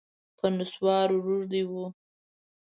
په نسوارو روږدی و